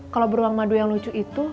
kalau beruang madu yang lucu itu